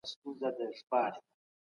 نه د دیدنۍ آله